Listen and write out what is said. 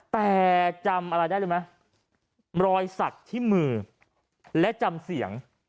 แต่จำอะไรได้รู้ไหมรอยสักที่มือและจำเสียง